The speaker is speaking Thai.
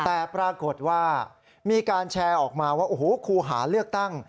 แต่ปรากฏว่ามีการแชร์ออกมาว่าโอ้โหครูหาเลือกตั้ง